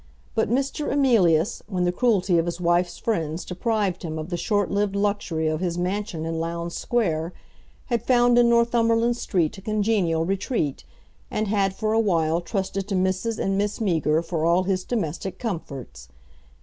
But Mr. Emilius, when the cruelty of his wife's friends deprived him of the short lived luxury of his mansion in Lowndes Square, had found in Northumberland Street a congenial retreat, and had for a while trusted to Mrs. and Miss Meager for all his domestic comforts.